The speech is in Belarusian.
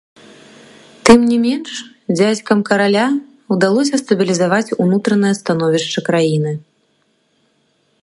Тым не менш, дзядзькам караля ўдалося стабілізаваць унутранае становішча краіны.